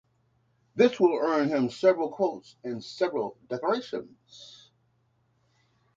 This will earn him several quotes and several decorations.